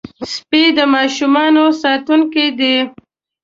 سپي د ماشوم ساتونکي دي.